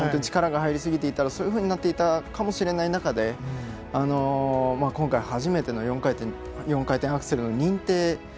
力が入りすぎていたらそういうふうになっていたかもしれない中で今回、初めての４回転アクセルの認定。